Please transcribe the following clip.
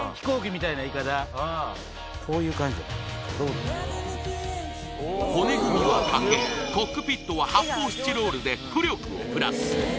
こういう感じや骨組みは竹コックピットは発泡スチロールで浮力をプラス